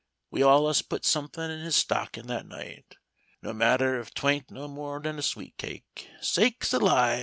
We allus put something in his stockin' that night, no matter if twan't no more'n a sweet cake. Sakes alive!